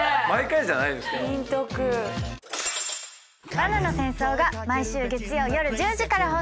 『罠の戦争』が毎週月曜夜１０時から放送中です。